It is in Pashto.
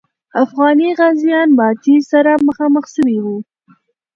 افغاني غازیان ماتي سره مخامخ سوي وو.